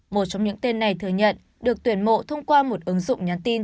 một trong những tên này thừa nhận được tuyển mộ thông qua một ứng dụng nhắn tin